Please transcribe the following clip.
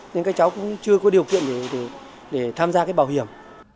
nên các cháu cũng chưa có điều kiện để tham gia cái bảo hiểm